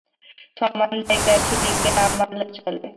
সমান জায়গায় সিঁড়িকে না মানলেও চলে।